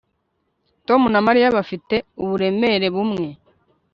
Tom na Mariya bafite uburemere bumwe